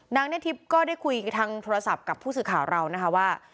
ณทิพย์ก็ได้คุยทางโทรศัพท์กับผู้สื่อข่าวเรานะคะว่า